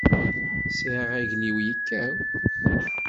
Sɛiɣ aglim yekkaw.